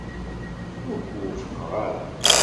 Ur k-wufqeɣ ara.